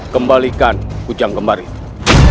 kembalikan kujang kembar itu